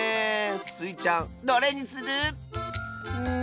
スイちゃんどれにする？